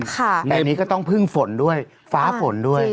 ในนี้ก็ต้องพึ่งฝนด้วยฟ้าฝนด้วย